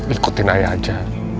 ikutin ayah aja